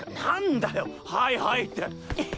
何だよはいはいって！